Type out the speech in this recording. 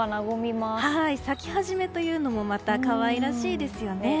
咲き始めというのもまた可愛らしいですよね。